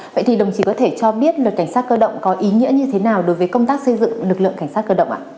vậy thì đồng chí có thể cho biết luật cảnh sát cơ động có ý nghĩa như thế nào đối với công tác xây dựng lực lượng cảnh sát cơ động ạ